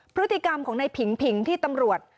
พฤติกรรมของในผิงผิงที่ตำรวจ